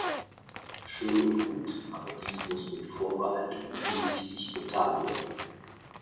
Schön und gut, aber dies muss mit Vorbehalt und umsichtig getan werden.